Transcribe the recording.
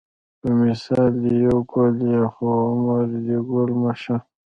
په مثال دې یو ګل یې خو عمر دې ګل مه شه